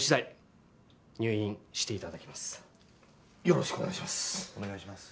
よろしくお願いします。